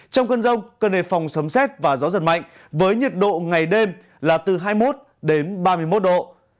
trong cơn rông cần nề phòng sấm xét và gió giật mạnh với nhiệt độ ngày đêm là từ hai mươi một đến ba mươi một độ